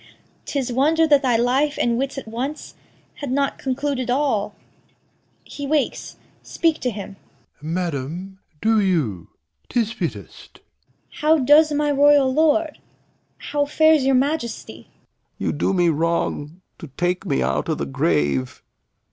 'Tis wonder that thy life and wits at once Had not concluded all. He wakes. Speak to him. Doct. Madam, do you; 'tis fittest. Cor. How does my royal lord? How fares your Majesty? Lear. You do me wrong to take me out o' th' grave.